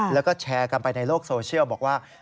แล้วก็แชร์กันไปในโลกโซเชียลบอกว่า